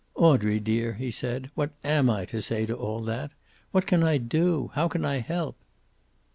"Audrey dear," he said, "what am I to say to all that? What can I do? How can I help?"